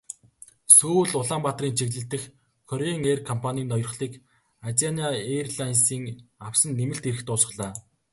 Сөүл-Улаанбаатарын чиглэл дэх Кореан эйр компанийн ноёрхлыг Азиана эйрлайнсын авсан нэмэлт эрх дуусгалаа.